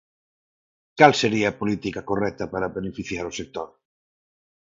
Cal sería a política correcta para beneficiar o sector?